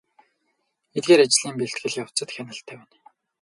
Эдгээр ажлын бэлтгэл явцад хяналт тавина.